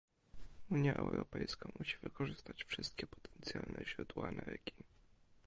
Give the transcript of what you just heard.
Unia Europejska musi wykorzystać wszystkie potencjalne źródła energii